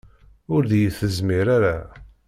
Ur d iyi-tezmir ara.